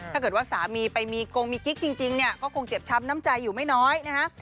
ถ้าเกิดว่าสามีไปมีกงมีกิ๊กจริงเนี่ยก็คงเจ็บช้ำน้ำใจอยู่ไม่น้อยนะฮะ